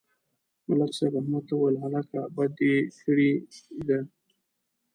ملک صاحب احمد ته وویل: هلکه، بدي دې کړې ده.